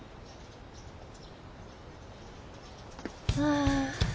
ああ。